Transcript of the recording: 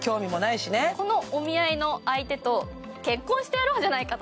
そのお見合いの相手と結婚してやろうじゃないかと。